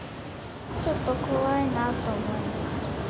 ちょっと怖いなって思いました。